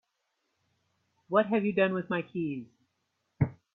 What have you done with my keys?